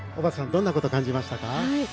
どんなことを感じましたか？